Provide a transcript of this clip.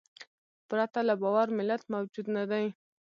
پرته له باور ملت موجود نهدی.